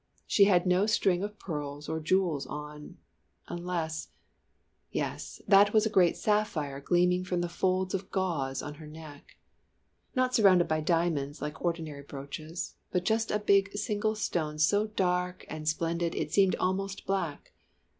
She had no strings of pearls or jewels on unless yes, that was a great sapphire gleaming from the folds of gauze on her neck. Not surrounded by diamonds like ordinary brooches, but just a big single stone so dark and splendid it seemed almost black.